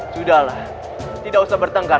sudahlah tidak usah bertenggar